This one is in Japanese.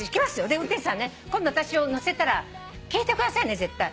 で運転手さんね今度私を乗せたら聞いてくださいね絶対。